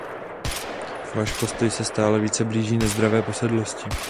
Váš postoj se stále více blíží nezdravé posedlosti.